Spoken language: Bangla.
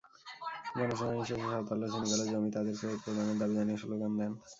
গণশুনানি শেষে সাঁওতালরা চিনিকলের জমি তাঁদের ফেরত প্রদানের দাবি জানিয়ে স্লোগান দেন।